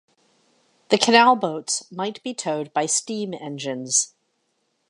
The canal boats might be towed by steam-engines.